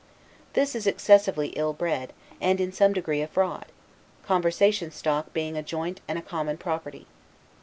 This is excessively ill bred, and in some degree a fraud; conversation stock being a joint and common property.